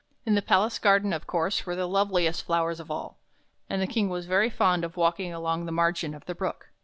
In the palace garden, of course, were the loveliest flowers of all; and the King was very fond of walking along the margin of the Brook.